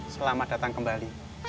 selamat datang kembali